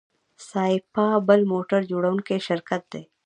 سایپا بل موټر جوړوونکی شرکت دی.